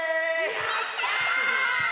やった！